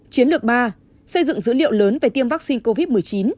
chiến lược ba xây dựng dữ liệu lớn về tiêm vaccine covid một mươi chín